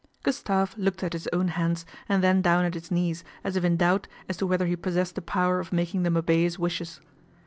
Gustave looked at his own hands, and then down at his knees as if in doubt as to whether he pos sessed the power of making them obey his wishes.